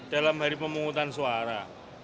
dalam hari pemungutan suara